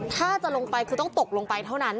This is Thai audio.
ถ้าจะลงไปคือต้องตกลงไปเท่านั้น